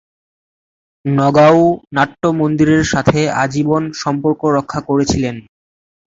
নগাঁও নাট্য মন্দিরের সাথে আজীবন সম্পর্ক রক্ষা করেছিলেন।